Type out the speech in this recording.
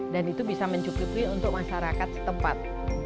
dan itu bisa mencukupi untuk masyarakat setempat